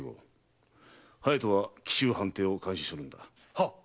隼人は紀州藩邸を監視するんだ。